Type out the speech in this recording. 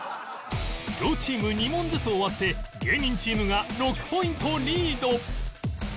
両チーム２問ずつ終わって芸人チームが６ポイントリード